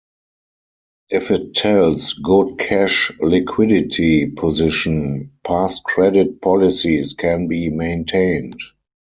If it tells good cash liquidity position, past credit policies can be maintained.